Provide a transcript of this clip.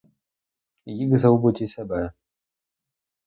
І їх загубить, і себе.